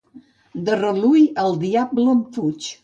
De Rallui, el diable en fuig.